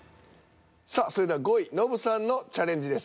さあそれでは５位ノブさんのチャレンジです。